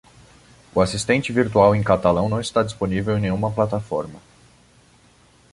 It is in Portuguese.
O assistente virtual em catalão não está disponível em nenhuma plataforma.